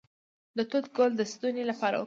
د توت ګل د ستوني لپاره وکاروئ